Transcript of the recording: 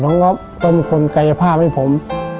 น้องก๊อฟก็เป็นคนกายภาพให้ผม